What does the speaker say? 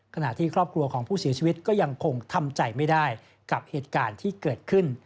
ขณะที่ครอบครัวของผู้เสียชีวิตก็ยังคงทำใจไม่ได้กับเหตุการณ์ที่เกิดขึ้น